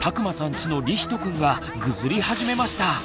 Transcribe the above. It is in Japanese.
ちのりひとくんがぐずり始めました！